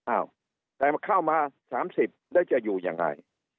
อ้าวแต่เข้ามา๓๐แล้วจะอยู่ยังไง